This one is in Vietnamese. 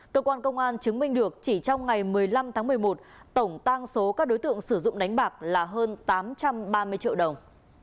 cơ quan công an chứng minh được chỉ trong ngày một mươi năm tháng một mươi một tổng tăng số các đối tượng sử dụng đánh bạc là hơn tám trăm ba mươi triệu đồng